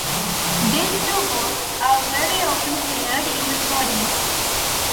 These two works are very often paired in recordings.